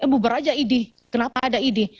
buber aja ini kenapa ada ini